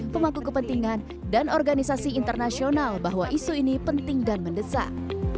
pemangku kepentingan dan organisasi internasional bahwa isu ini penting dan mendesak